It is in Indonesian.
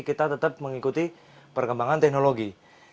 kita tetap mengikuti perkembangan teknologi